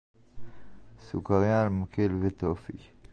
סוכריה על מקל וטופי